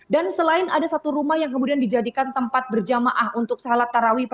dan selain ada satu rumah yang kemudian dijadikan tempat berjamaah untuk sholat tarawih